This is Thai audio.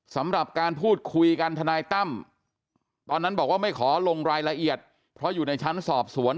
สำหรับการพูดคุยกันทนายตั้มตอนนั้นบอกว่าไม่ขอลงรายละเอียดเพราะอยู่ในชั้นสอบสวน